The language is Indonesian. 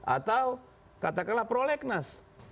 atau katakanlah prolegnas